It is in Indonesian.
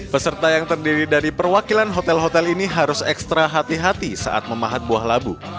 peserta yang terdiri dari perwakilan hotel hotel ini harus ekstra hati hati saat memahat buah labu